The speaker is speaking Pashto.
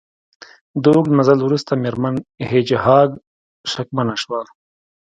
د اوږد مزل وروسته میرمن هیج هاګ شکمنه شوه